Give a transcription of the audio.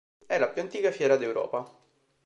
È la più antica fiera d'Europa.